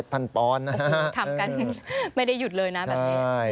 ทำกันไม่ได้หยุดเลยนะแบบนี้